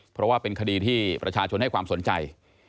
เพราะว่าเป็นคดีที่ประชาชนให้ความสนใจ